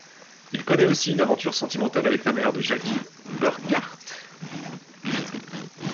Il connaît aussi une aventure sentimentale avec la mère de Jackie Burkhart.